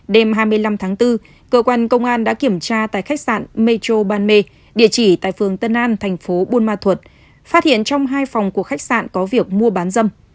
đêm hai mươi năm tháng bốn cơ quan công an đã kiểm tra tại khách sạn metro ban mê địa chỉ tại phường tân an thành phố buôn ma thuột phát hiện trong hai phòng của khách sạn có việc mua bán dâm